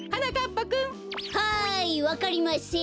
はいわかりません。